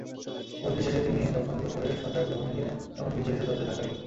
মজলিস শেষে তিনি যখন দুপুরের শয্যা গ্রহণে গেলেন তখন বৃদ্ধ এসে দরজায় ধাক্কা দিল।